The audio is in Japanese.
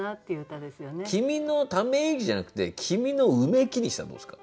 「君のため息」じゃなくて「君のうめき」にしたらどうですか？